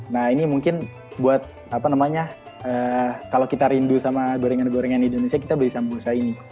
nah ini mungkin buat apa namanya kalau kita rindu sama gorengan gorengan di indonesia kita beli sambusa ini